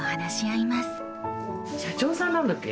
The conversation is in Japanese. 社長さんなんだっけ？